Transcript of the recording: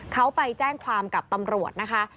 เขาไปแจ้งความกับตำรวจนะคะ